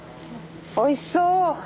おいしそう。